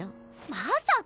まさか！